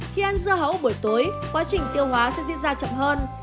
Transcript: khi ăn dưa hấu buổi tối quá trình tiêu hóa sẽ diễn ra chậm hơn